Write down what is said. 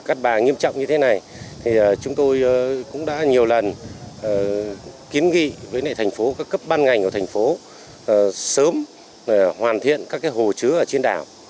các bà nghiêm trọng như thế này thì chúng tôi cũng đã nhiều lần kiến nghị với nệ thành phố các cấp ban ngành của thành phố sớm hoàn thiện các hồ chứa trên đảo